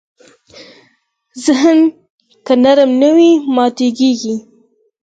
ذهن که نرم نه وي، ماتېږي.